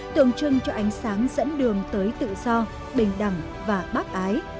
tượng trưng cho ánh sáng dẫn đường tới tự do bình đẳng và bác ái